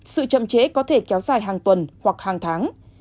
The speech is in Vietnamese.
sự chậm chế có thể kéo dài hàng tuần hoặc hàng tháng